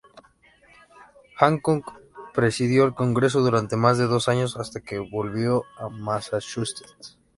Hancock presidió el Congreso durante más de dos años hasta que volvió a Massachusetts.